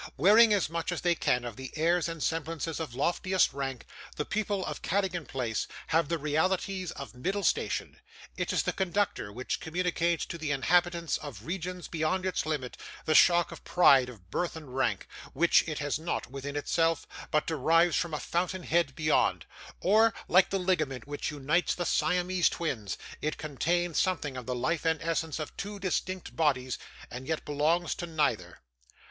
Wearing as much as they can of the airs and semblances of loftiest rank, the people of Cadogan Place have the realities of middle station. It is the conductor which communicates to the inhabitants of regions beyond its limit, the shock of pride of birth and rank, which it has not within itself, but derives from a fountain head beyond; or, like the ligament which unites the Siamese twins, it contains something of the life and essence of two distinct bodies, and yet belongs to neither.